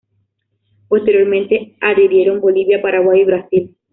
Posteriormente adhirieron Bolivia, Paraguay y Brasil.